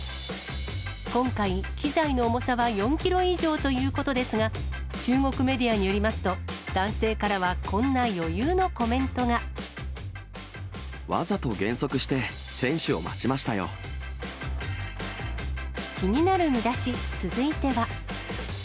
今回、機材の重さは４キロ以上ということですが、中国メディアによりますと、男性からはこんな余裕のコメントが。わざと減速して、選手を待ち気になるミダシ、続いては。